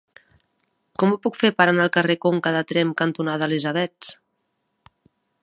Com ho puc fer per anar al carrer Conca de Tremp cantonada Elisabets?